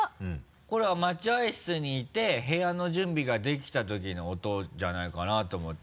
これは待合室に居て部屋の準備ができた時の音じゃないかなと思って。